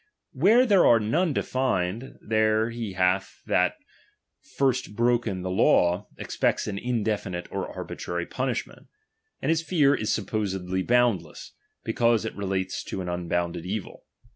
Where there are "One defined, there he that hath first broken the ^^■w, expects an indefinite or arbitrary punishment ; ''■tid his fear is supposed boundless, because it re lates to an unbounded evil.